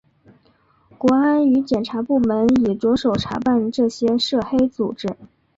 国安与检警部门已着手查办这些涉黑组织。